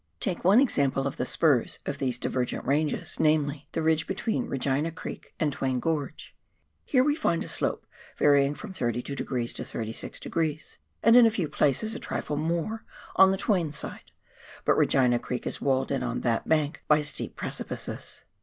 Take one example of the spurs of these divergent ranges, namely, the ridge between Regina Creek and Twain Gorge ; here we find a slope varying from 32 deg. to 36 deg., and in a few places a trifle more on the Twain side, but Regina Creek is walled in on that bank by steep precipices.